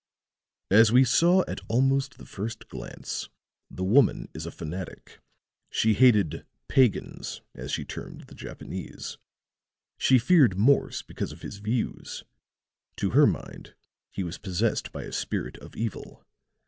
"As we saw at almost the first glance, the woman is a fanatic; she hated 'pagans,' as she termed the Japanese; she feared Morse because of his views; to her mind he was possessed by a spirit of evil.